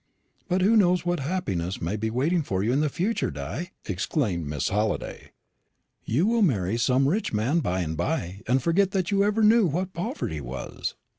"But who knows what happiness may be waiting for you in the future, Di?" exclaimed Miss Halliday. "You will marry some rich man by and by, and forget that you ever knew what poverty was."